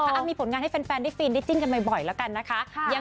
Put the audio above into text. เอามีผลงานให้แฟนได้ฟินได้จิ้นกันบ่อยแล้วกันนะคะ